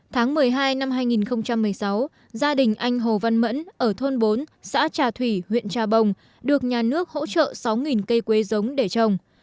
tháng một mươi hai năm hai nghìn một mươi sáu gia đình anh hồ văn mẫn ở thôn bốn xã trà thủy huyện trà bồng được nhà nước hỗ trợ sáu cây quế giống để trồng